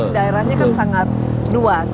daerahnya kan sangat luas